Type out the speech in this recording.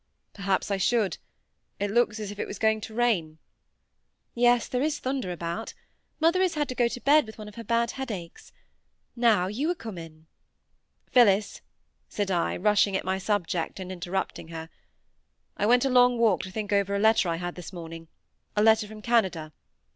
"Perhaps I should. It looks as if it was going to rain." "Yes; there is thunder about. Mother has had to go to bed with one of her bad headaches. Now you are come in— "Phillis," said I, rushing at my subject and interrupting her, "I went a long walk to think over a letter I had this morning—a letter from Canada.